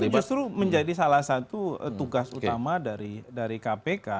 ini justru menjadi salah satu tugas utama dari kpk